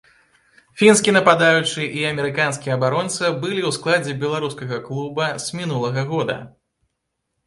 Фінскі нападаючы і амерыканскі абаронца былі ў складзе беларускага клуба з мінулага года.